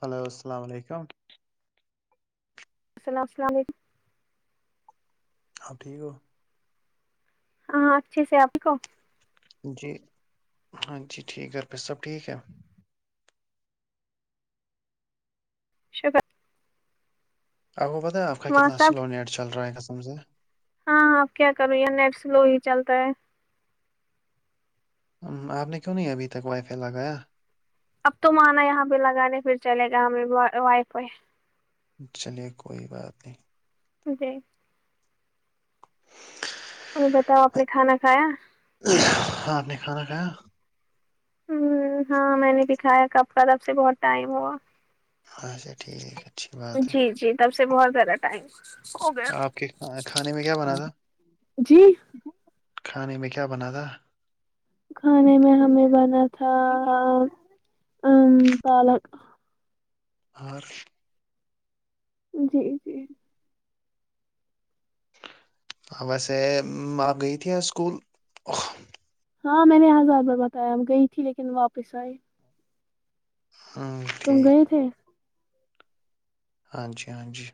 hello السلام علیکم السلام السلام علیکم اپ ٹھیک ہو ہاں اچھے سے آپ کو جی ہاں جی ٹھیک ہے گھر پے سب ٹھیک ہے ش آپ گو پتہ آپ کا وہاں کتنا سب سلو نیٹ چل رہا ہے قسم سے ہاں ہاں اب کیا کرو یہیا نیٹ سلو ہی چلتا ہے آپ نے کیوں نہیں ابھی تک وائی فائی لگایا اب تو مانا یہاں پہ لگانے پھر چلے گا ہمیں وائی فائی چلیے کوئی بات نہیں جی [unintelligible] مجھے بتاؤ آپ نے کھانا کھایا آپ نے کھانا کھایا ہ ہاں میں نے دکھایا کب کا تب سے بہت ٹائم ہوا اچھا ٹھیک ہے اچھی بات ہے جی جی تب سے بہت زیادہ ٹائم ہو آپ کے کھانے میں کیا گیا بنا تھا جی کھانے میں کیا بنا تھا کھانے میں ہمیں بنا تھا ا پالک اور جی جی [unintelligible] ہ ویسے آپ گئی تھی اسکول ہاں میں نے یہ ہزار بار بتایا گئی تھی لیکن واپس آئی ہوں تم ٹھیک گئے تھے ہاں جی ہاں جی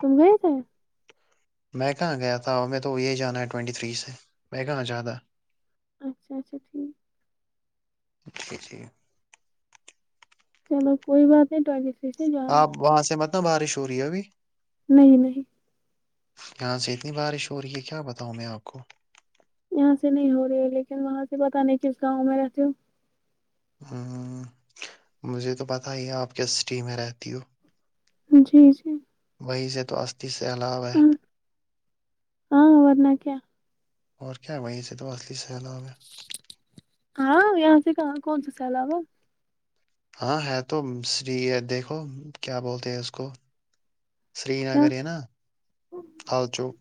تم گیے تھے میں کہاں گیا تھا ہمیں تو یہی جانا ہے ٹوینٹی تھری سے میں کہاں جیادہ اچھا ٹھیک [unintelligible] چلو کوئی بات نہیں سے جانا آپ وہاں سے متنا بارش ہو رہی ہے ابھی نہیں نہیں یہاں سے اتنی بارش ہو رہی ہے کیا بتاؤں میں آپ کو یہاں سے نہیں ہو رہی ہے لیکن وہاں سے پتاہ نہیں کس گاؤں میں رہتیوں ہ مجھے تو پتہ ہی آپ کس سٹی میں رہتی ہو جی جی وہی سے تو اسستھی سے الاب ہے ہاں وورناک کیا اور کیا وہی سے تو اصلی سی علاب میں ہاں یہاں سے کہاں کون سا سیلابا ہاں ہے تو سری دیکھو کیا بولتے ہیں اس کو سری کیا نگر ہے نا لال چوک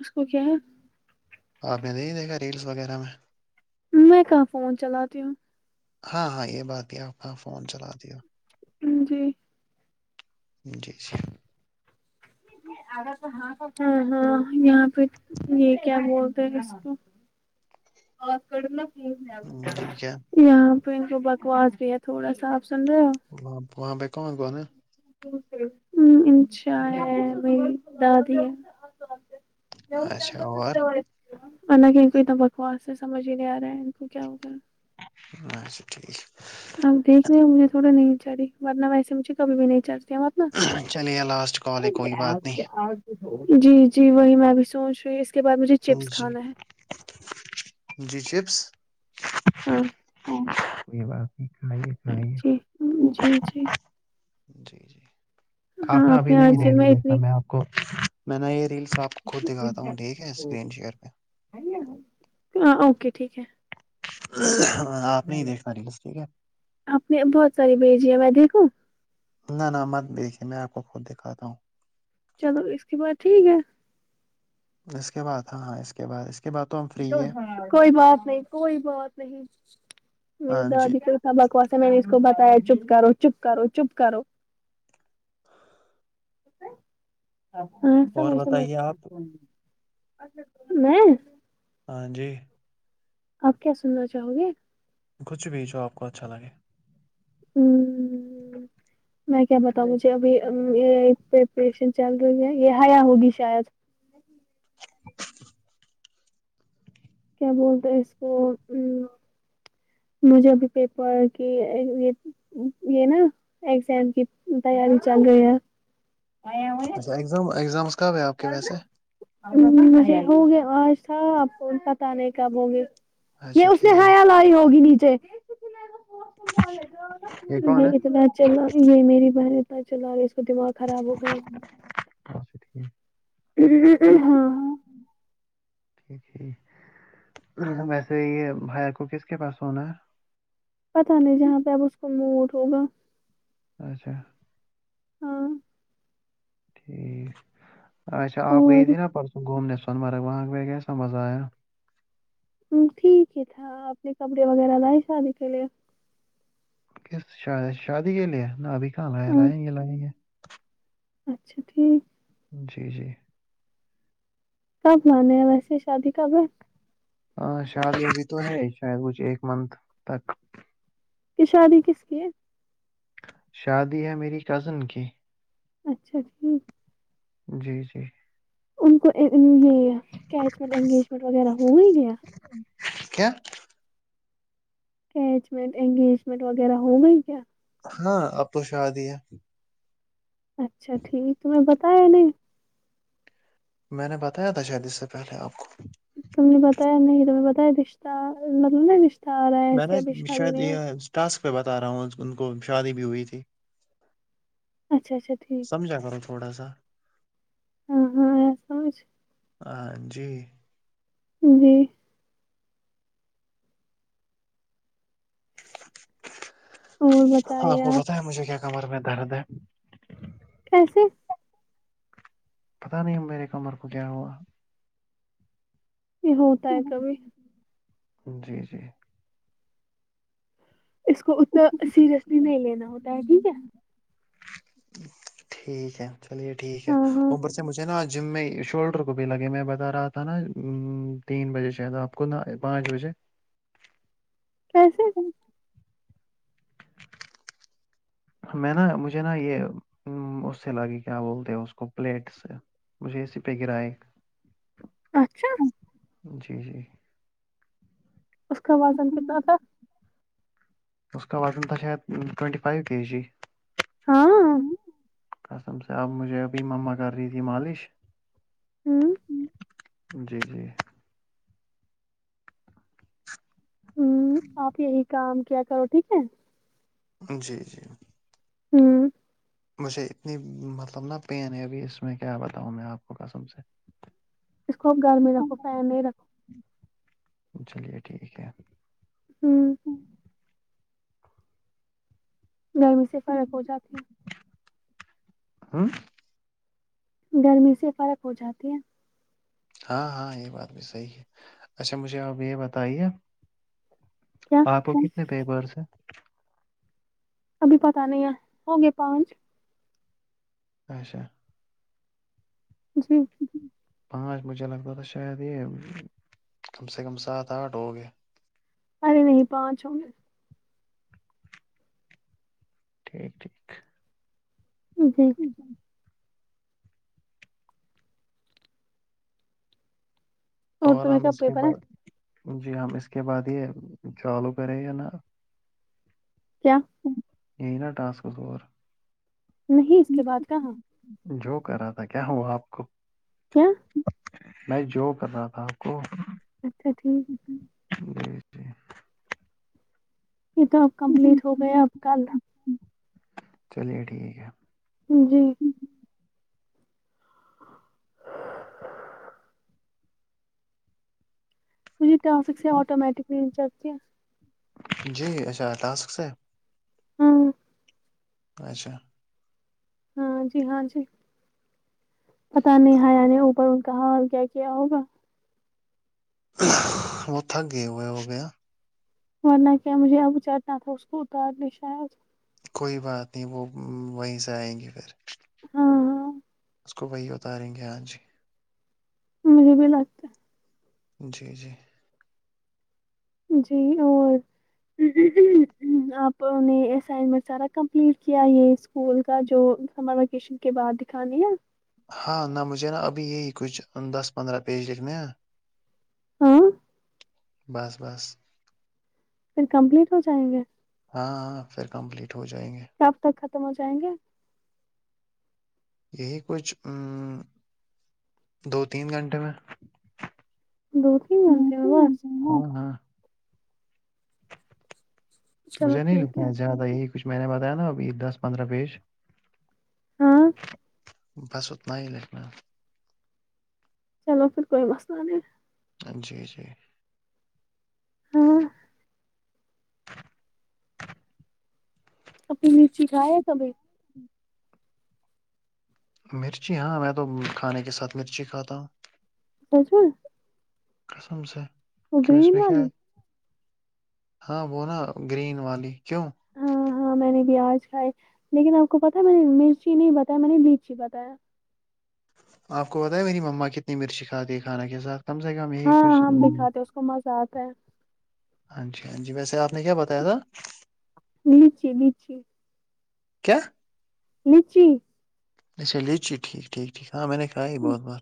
اس کو کیا ہے آپ نے د ہی دیکھا ریلس وغیرہ میں میں کہاں فون چلاتی ہوں ہاں ہاں یہ بات ہے آپ کا فون چلا د ہو جی جی جی ہاں ہاں یہاں پہ یہ کیا بولتے ہیں اس کو اور کر ل جی کیا یہاں پہ کو بکواس بھی ہے تھوڑا صاف سنرا ہو وہاں وہاں پائی کاں کو نا ہ انشا ہے میری دادی ہے اچھا اور اورک ان کو اتنا بکواس سے سمجھ ہی نہیں آ رہا ہے ان کو کیا ہوگا اچھا ٹھیک آپ دیکھ رہ ہو مجے تھوڑا نہیں چڑی ورنہ ویے مجھے کبھی بھی نہیں چڑھتی نا چلے لاسٹ کال ہے کوئی بات نہیں جی جی وہی میں بھی سوچ رہی کے بعد مجھے چپس جی کھانا ہے جی چپس ہاں کوئی بات نہیں کرائیے کے جی جی جی جی جی ہاں آنا آپ ابھی نے آج نہیں ہے دن دیکھنا اتنی میں آپ میں نا یہ ریلس آپ کو خود دکھاتا ہوں ٹھیک ہے اسکرین شیئر پہ ہاں اوکے ٹھیک ہے ہاں آپ نے ہی دیکھ پاری بس ٹھیک ہے آپ نے بہت ساری بھیج ہے ودی کو نہ ن مت دیکھیے میں آپ کو خود دکھاتا ہوں چلو اس کی بع ٹھیک ہے اس کے بعد ہاں ہاں اس کے بعد اس کے بعد تو ہم فری ہے کوئی بات نہیں کوئی بات نہیں میری ہاں جی دادی کو سبک واسا میں نے اس کو بتایا چپ کرو چپ کرو چپ کرو ہاں اور سمج بتائیے آپ سمج میں ہاں جی آپ کیا سننا چاہو گے کچھ بھیجو آپ کو اچھا لگے [inaudible] [inaudible] میں کیا بتاؤں مجھے ابھی یہ پریپریشن چل رہی ہے یہ حیا ہوگی شاید [inaudible] کیا بولتے ہیں اس کو ا مجھے ابھی پیپر کی یہ یہ نا اگزام کی تیاری چل رہی ہے اچھاگزام ایگزام کب ہے آپ کے ویسے ہوگے آشا ستانے کاب ہوگے یہ اچھا اس نے ٹھیک حیا لاری ہوگی نیچے یہ کون ہے [inaudible] چلای یہ میری بہن چلا رہی اس کو دماغ خراب ہو گیا اچھا ٹھیک ا ہاںاں ٹھیک م وسے ہی بھائی کو کس کے پاس ہونا ہے پت نہیں جہاں پہ اب اس کو من اٹ ہوگا اچھا ہاں ٹھیک اچھا آپ اور گئی تھی نا پرسوں گھومنے سون مرگ وہاں کیسا مزہ آیا ہ ٹھیک ہی تھا اپنے کپڑے وغیرہ لائے شادی کے لیے ک شادی کے لے نا ابھی کہاں لایا ہاں لائیں گے لائیں گے اچھا ٹھیک جی جی کب مان ہیں ویسے شادی کب ہے ہاں شادی ابھی تو ہے شاید کچھ ایک منتھ تک کہ شادی کس کی ہے شادی ہے میری کزن کی اچھا ٹھیک جی جی ان کو یہ کیچمنٹ انگیجمنٹ وغیرہ ہو ہی گیا کیا اچمنٹ انگیجمنٹ وغیرہ ہو گئی کیا ہاں آپ تو شااد ہی ہے اچھا ٹھیک ہے تو میں میں نے بتایا تھا شاید اس سے پہلے آپ کو تم نے بتایا نہیں تمہیں بتایا رشتہ مطلب نا رشتہ آ رہا ہے میں ایسے نا ابھی شادی شاید نہیں ہو یہ ٹاسک پہ بتا رہا ہوں ان کو شادی بھی ہوئی تھی اچھا اچا ٹھیک سمجھا کرو تھوڑا سا ہاں ہاں سمجھ ہاں جی جی اور ہاں آپ بتائیے کو پتا ہے مجھے کیا کمر میں درد ہے کیسے پتا نہیں میرے کمر کو کیا ہوا یہ ہوتا ہے کھبی جی جی اس کو اتنا سیریسلی نہیں لینا ہوتا ہے ٹھیک ہے ٹھیک ہے چلیے ٹھیک ہے ہاں ہاں اوپر سے مجھے نا جم میں شولڈر کو بھی لگے میں بتا رہا تھا نا تین بجے شاید آپ کو نہ پانچ بجے کیسے میں نا مجھے نا یہ اس سے لگی کیا بولتے ہیں اس کو پلیٹ سے مجھے اسی پہ گرا ہے اچھا جی جی اس کا وزن کتنا تھا اس کا وٹن تھا شاید ٹین فائیو کے جی ہاں قسم سے آب مجھے ابھی مما کر رہی تھی مالش ہوں جی جی ہوں آپ یہی کام کیا کرو ٹھیک ہے جی جی ہوں مجھے اتنی مطلب نا پین ہے ابھی اس میں کیا بتاؤں میں آپ کو کسم سے اس کو گھر میں رکھو فین نہیں رکھو چلیے ٹھیک ہے ہوں گرمی سے فرق ہو جاتے ہیں ہوں گرمی سے فرق ہو جاتی ہے ہاں ہاں یہ بات بھی صحیح ہے اچھا مجھے اب یہ بتائیے کیا آپ کو کتنے پیپرس ہے ابھی پتتا نہیں ہے ہوگے پانچ اچھا جی پانچ مجھے لگتا تھا شاید یہ کم سے کم سات آٹھ ہو گیا ارے نہیں پانچ ہوں گے ٹھیک ٹھیک جی اور تمہیں ہم کب اس کے پیپر ہے بعد جی ہم اس کے بعد یہ چالو کریں گے نا کیا یہ نا ٹاسکس اور نہیں اس کے بعد کہاں جوک کر رہا تھا کیا ہوا آپ کو کیا میں جوک کر رہا تھا آپ کو اچھا ٹھیک جی جی یہ تو اب کمپلیٹ ہو گیا اب کل چلیے ٹھیک ہے جی [unintelligible] مجھے ٹاسک سے آٹومیٹک م چتی ہے جی اچھا تعصق سے ہاں اچھا ہاں جی ہاں جی پتا نہیں آیا نے اوپر کہاں کیا کیا ہوگا وہ تھگے ہوئے ہو گئے ورنہ کیا مجھے اب چھنا تھا اس کو اتارنے شاید کوئی بات نہیں وہ وہیں سے آئیں گی پھر ہاں ہاں اس کو وہی اتاریں گے ہاں جی مل بھی لگ جی جی جی اور آپ نے اسائنمنٹ سارا کمپلیٹ کیا یہ اس اسکول کا جو سر ووکیشن کے بعد دکھانی ہے ہاں نہ مجھے نا ابھی یہی کچھ دس پندرہ پیج لکھنے ہیں ہاں بس بس پھر کمپلیٹ ہو جائیں گے ہاں ہاں پھر کمپلیٹ ہو جائیں گے کب تک ختم ہو جائیں گے یہی کچھ ا دو تین گھنٹے میں دو تین بنتےے میں بس ہاں ہاں چلو مجھے نہیں ٹھیک لکھنا ہے زیادہ یہی کچھ میں نے بتایا نا اب دس پندرہ پیج ہاں بس اوتننا ہی لکھنا چلو پھر کوئی مسئلہ نہیں جی جی ہاں ہاں اپنی مرچی کھائے ہے کبھی مرچی ہاں میں تو کھانے کے ساتھ مرچی کھاتا ہوں اھا کسم سے کیوں اس گرین میں کیا والی ہے ہاں وہ نا گرین والی کیوں اں میں نے بیاج کھائی لیکن آپ کو پتاہ میں نے مرچی نہیں بتایا میں نے لیچی بتایا آپ کو بت میری مما کتنی مرچی کاتی ہے کھانا کے ساتھ کم سے کم یہی کچھ ہاں ہم بھی کھاتے ہیں اس کو مزہ آتا ہے ہاں جی ہاں جی ویسے آپ نے کیا بتایا تھا نیچے نچے کیا نیچی اچھا لیچی ٹھیک ٹھیک ٹھیک ہاں میں نے کھا ہے ہم، بہت بہار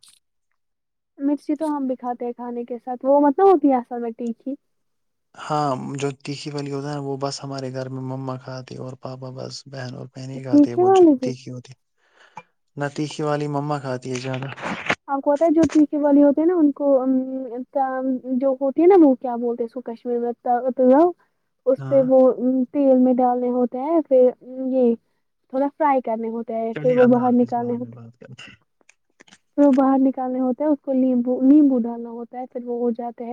مرچی تو ہم بھی کاتے ہیں کھانے کے ساتھ وہ مطلب ہوتی ہےصل میں ٹیکھی ہاں جو تیکھی والی دا وہ بس ہمارے گھر میں مما کھاتے اور پاپا بس بہن اور میں نہیں کھاتی ہے ٹیکھے وہ جو والی بھی تیکخھی ہوتی ہے نہ تیکخھی والی مما کھاتی ہے جدہ آپ کو پتا ہے جو ٹییکے والی ہوتی ہیں نا ان کو جو ہوتی ہے نا وہ کیا بولتے ہیں اس کو کشمیر میں تو تو آ اس پہ ہاں وہ تیل میں ڈالنے ہوتے ہیں پھر یہ تھوڑا فرائی کرنے ہوتے پھر وہ باہر نکالے ہوتے ھم پھر وہ باہر نکالنے ہوتے ہیں ہے اس کو نمبو نیمبو ڈالنا ہوتا ہے پھر وہ ہو جاتے ہے